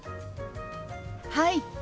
はい！